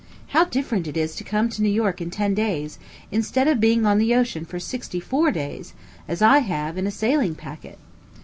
How different it is to come to New York in ten days, instead of being on the ocean for sixty four days, as I have in a sailing packet!